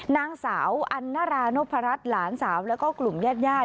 นางสาวอันนารานพลรัตน์หลานสาวและกลุ่มแยดด้านยาด